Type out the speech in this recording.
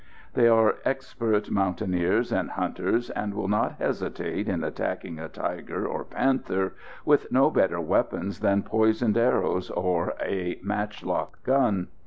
They are expert mountaineers and hunters, and will not hesitate in attacking a tiger or panther with no better weapons than poisoned arrows, or a matchlock gun.